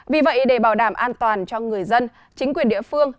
vì vậy để bảo đảm an toàn cho người dân chính quyền địa phương